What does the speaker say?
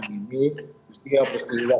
supaya tidak lagi banyak hormat